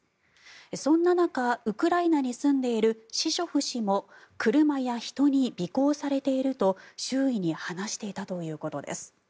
そんな中、ウクライナに住んでいるシショフ氏も車や人に尾行されていると周囲に話していたということです。